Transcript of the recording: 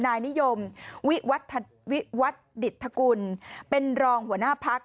นายนิยมวิวัฒนวิวัตดิตทกุลเป็นรองหัวหน้าพัก